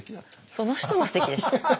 その人もすてきでした。